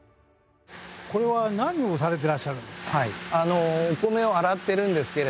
これは何をされてらっしゃるんですか？